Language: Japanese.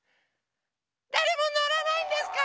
だれものらないんですか？